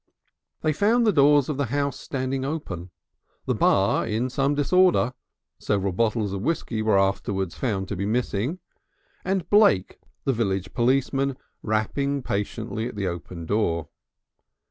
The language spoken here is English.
They found the doors of the house standing open, the bar in some disorder several bottles of whisky were afterwards found to be missing and Blake, the village policeman, rapping patiently at the open door.